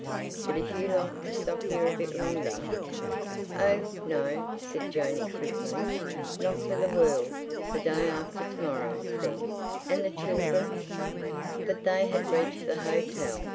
But if you'd like to stop here a bit longer—?" "Oh, no!" said Janey quickly. "Not for the world! The day after to morrow, then. And the children—" But they had reached the hotel.